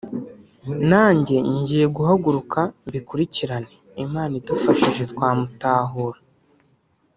nanjye ngiye guhaguruka mbikurikirane imana idufashije twamutahura